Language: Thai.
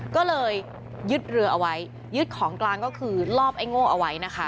ก็เลยยึดเรือเอาไว้ยึดของกลางก็คือลอบไอ้โง่เอาไว้นะคะ